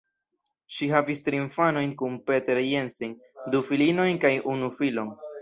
Ŝi havis tri infanojn kun Peter Jensen, du filinojn kaj unu filon.